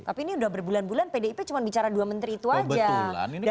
tapi ini udah berbulan bulan pdip cuma bicara dua menteri itu aja